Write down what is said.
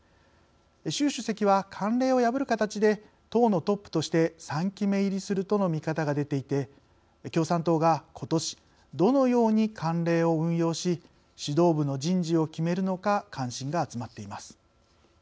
習主席は、慣例を破る形で党のトップとして３期目入りするとの見方が出ていて共産党が、ことしどのように慣例を運用し指導部の人事を決めるのか関心が集まっています。